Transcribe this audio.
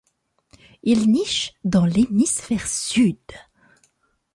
Ils nichent dans l'hémisphère Sud.